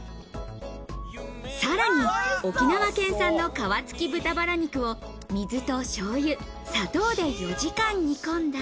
さらに沖縄県産の皮付き豚バラ肉を水と醤油、砂糖で４時間煮込んだ。